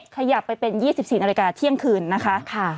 ขยับไปเป็น๒๔นาฬิกาเที่ยงคืนนะคะ